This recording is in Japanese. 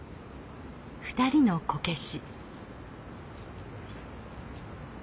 ２人のこけし。